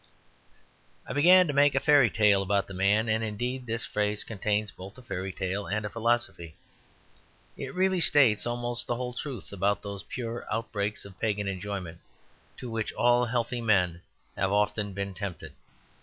I began to make a fairy tale about the man; and, indeed, this phrase contains both a fairy tale and a philosophy; it really states almost the whole truth about those pure outbreaks of pagan enjoyment to which all healthy men have often been tempted.